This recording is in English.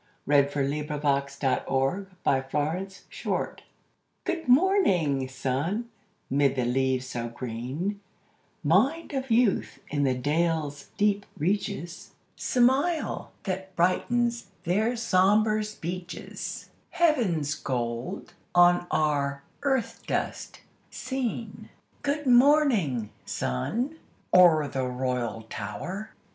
rumbled yonder. THE MAIDENS' SONG (FROM HALTE HULDA) Good morning, sun, 'mid the leaves so green Mind of youth in the dales' deep reaches, Smile that brightens their somber speeches, Heaven's gold on our earth dust seen! Good morning, sun, o'er the royal tower!